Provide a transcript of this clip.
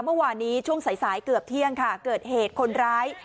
เมื่อวานนี้ช่วงสายสายเกือบเที่ยงค่ะเกิดเหตุคนร้าย